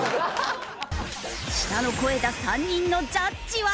舌の肥えた３人のジャッジは！？